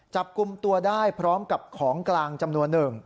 จับกลุ่มตัวได้พร้อมกับของกลางจำนวนหนึ่ง